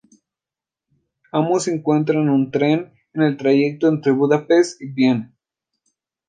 Ambos se encuentran en un tren, en el trayecto entre Budapest y Viena.